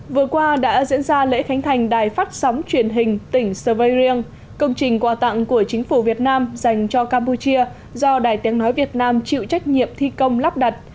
vừa qua đã diễn ra lễ khánh thành đài phát sóng truyền hình tỉnh serverieng công trình quà tặng của chính phủ việt nam dành cho campuchia do đài tiếng nói việt nam chịu trách nhiệm thi công lắp đặt